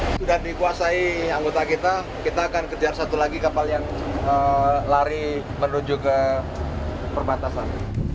sudah dikuasai anggota kita kita akan kejar satu lagi kapal yang lari menuju ke perbatasan